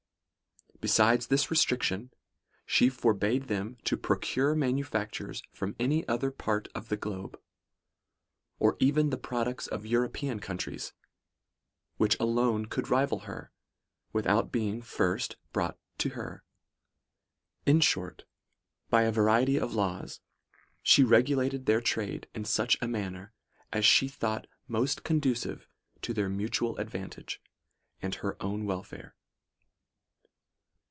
Besides this restric tion, she forbade them to procure manufactures from any other part of the globe, or even the products of European countries, which alone could rival her, NOTES. lv without being first brought to her. In short, by a variety of laws, she regulated their trade in such a manner as she thought most conducive to their mu tual advantage and her own welfare.